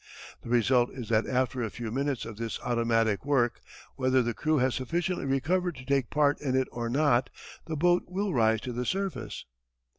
The result is that after a few minutes of this automatic work, whether the crew has sufficiently recovered to take part in it or not, the boat will rise to the surface.